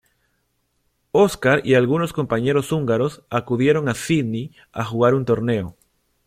Oscar y algunos compañeros húngaros acudieron a Sídney a jugar un torneo.